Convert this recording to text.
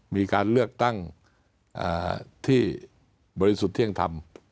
มีการเลือกตั้งที่บริสุทธิ์เที่ยงธรรม